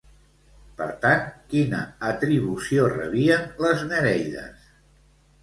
Per tant, quina atribució rebien les nereides?